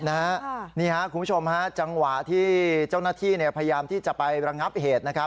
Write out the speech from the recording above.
คุณผู้ชมจังหวะที่เจ้าหน้าที่พยายามไปรังงับเหตุ